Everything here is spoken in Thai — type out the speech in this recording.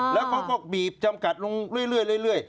แล้วเขาก็บีบจำกัดลงเรื่อย